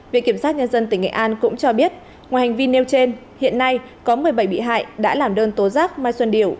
viện kiểm sát nhân dân tỉnh nghệ an cũng cho biết ngoài hành vi nêu trên hiện nay có một mươi bảy bị hại đã làm đơn tố giác mai xuân điểu